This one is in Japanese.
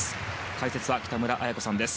解説は北村彩子さんです。